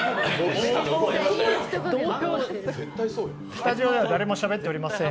スタジオでは誰もしゃべっておりません。